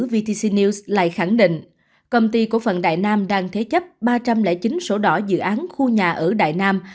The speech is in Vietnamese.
vtc news lại khẳng định công ty cổ phần đại nam đang thế chấp ba trăm linh chín sổ đỏ dự án khu nhà ở đại nam